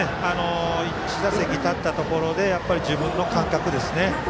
１打席立ったところで自分の感覚ですね。